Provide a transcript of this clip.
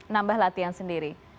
nambah latihan sendiri